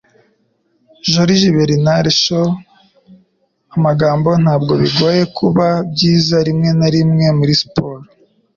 Joriji Bernard Shaw Amagambo Ntabwo bigoye kuba byiza rimwe na rimwe muri siporo.